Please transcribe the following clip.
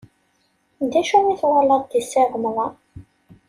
Acu i twalaḍ deg Si Remḍan?